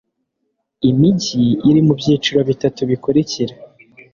Imijyi iri mu byiciro bitatu bikurikira